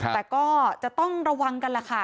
แต่ก็จะต้องระวังกันแหละค่ะ